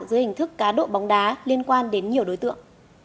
dưới hình thức cá độ bóng đá liên quan đến nhiều đối tượng